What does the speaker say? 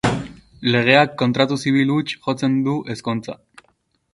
Legeak kontratu zibil huts jotzen du ezkontza.